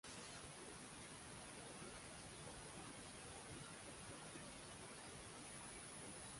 তারা পরের দিন আসেন এবং রাজ শীঘ্রই চাপের মুখে তার অপরাধ স্বীকার করে।